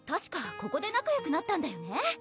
ここで仲よくなったんだよね